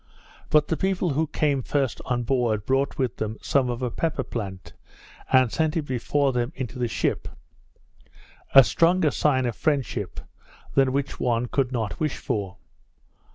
But the people who came first on board brought with them some of the pepper plant, and sent it before them into the ship; a stronger sign of friendship than which one could not wish for.